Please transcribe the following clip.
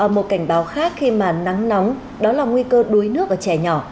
một cảnh báo khác khi mà nắng nóng đó là nguy cơ đuối nước ở trẻ nhỏ